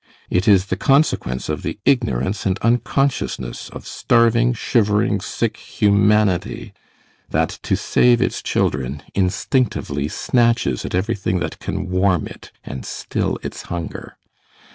It is the consequence of the ignorance and unconsciousness of starving, shivering, sick humanity that, to save its children, instinctively snatches at everything that can warm it and still its hunger.